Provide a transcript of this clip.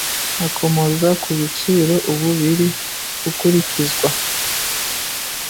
Akomoza ku biciro ubu biri gukurikizwa